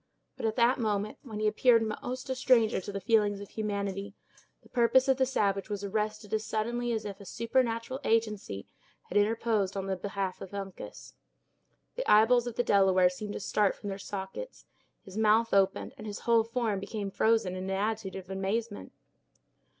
But, at that moment, when he appeared most a stranger to the feelings of humanity, the purpose of the savage was arrested as suddenly as if a supernatural agency had interposed in the behalf of Uncas. The eyeballs of the Delaware seemed to start from their sockets; his mouth opened and his whole form became frozen in an attitude of amazement.